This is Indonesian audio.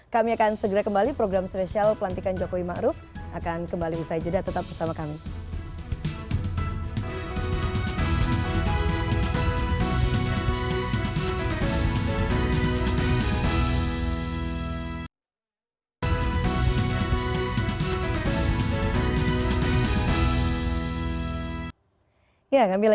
kami akan segera kembali program spesial pelantikan jokowi ma'ruf akan kembali usai jeda tetap bersama kami